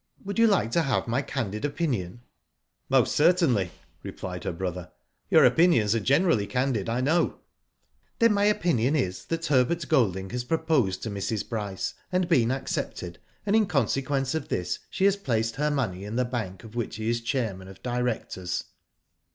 Would you like to have my candid opinion 3 '''* Most certainly," replied her brother; "your opinions are generally candid, I know." Digitized byGoogk 152 WHO DID ITt "Then my opinion is that Herbert Golding has proposed to Mrs. Bryce and been accepted, and, in consequence of this, she has placed her money in the bank of which he is chairman of directors.